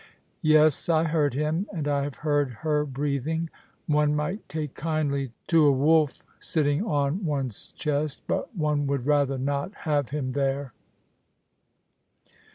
" Yes, I heard him — and I have heard her breathing. One might take kindly to a wolf sitting on one's chest, but one would rather not have him there.